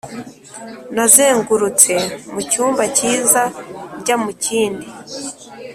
nazengurutse mu cyumba cyiza njya mu kindi,